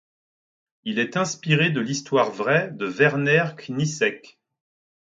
Il est inspiré de l'histoire vraie de Werner Kniesek.